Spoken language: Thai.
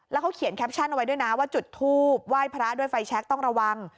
แล้วเขาเขียนแคปชั่นเอาไว้ด้วยนะว่าจุดทูบไหว้พระด้วยไฟแชคต้องระวัง